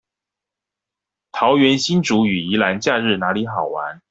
桃園新竹與宜蘭假日哪裡好玩